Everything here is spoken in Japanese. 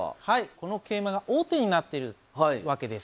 この桂馬が王手になっているわけです。